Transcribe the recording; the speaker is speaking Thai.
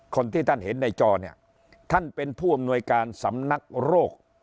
คนที่ท่านเห็นในจอเนี่ยท่านเป็นผู้อำนวยการสำนักโรค